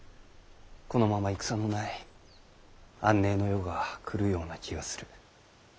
このまま戦のない安寧の世が来るような気がする。